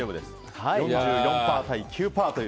４４％対９％という。